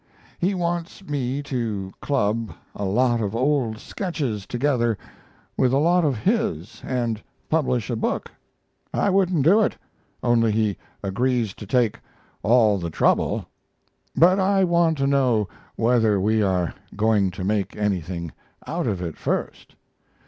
He wants me to club a lot of old sketches together with a lot of his, and publish a book. I wouldn't do it, only he agrees to take all the trouble. But I want to know whether we are going to make anything out of it, first.